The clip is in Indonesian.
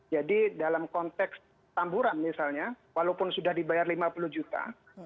jadi dalam konteks tamburan misalnya walaupun sudah dibayar lima puluh juta